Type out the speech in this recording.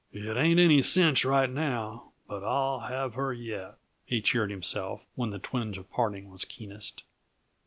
"It ain't any cinch right now but I'll have her yet," he cheered himself when the twinge of parting was keenest.